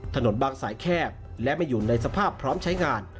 ถนนบางสายแคบและไม่อยู่ในสภาพพร้อมใช้งาน